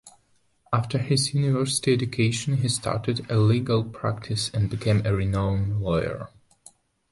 After his university education, he started a legal practice and became renowned lawyer.